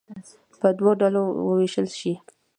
په دوو ډلو ووېشل شي.